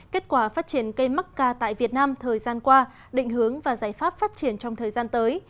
kết quả phát triển cây mắc ca tại việt nam thời gian qua định hướng và giải pháp phát triển trong thời gian tới